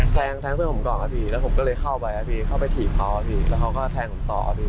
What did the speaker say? แทงเพื่อนผมก่อนนะครับพี่แล้วผมก็เลยเข้าไปเข้าไปถี่เคาแล้วเขาก็แทงผมต่อ